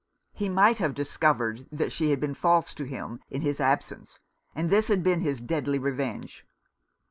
He might have discovered that she had been false to him in his absence, and this had been his deadly revenge.